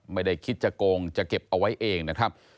ไม่ได้คิดจะโกงจะเก็บเอาไว้เองนะครับ